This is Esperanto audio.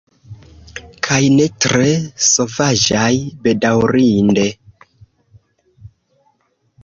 Kaj ne tre sovaĝaj, bedaŭrinde.